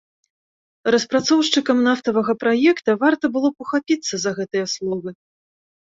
Распрацоўшчыкам нафтавага праекта варта было б ухапіцца за гэтыя словы.